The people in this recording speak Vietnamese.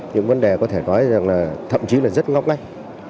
những vấn đề có thể nói rằng là thậm chí là rất ngóc ngách